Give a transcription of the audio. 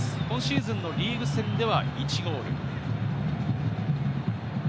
今シーズンのリーグ戦では１ゴール。